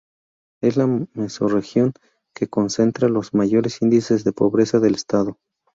Es la mesorregión que concentra los mayores índices de pobreza del estado.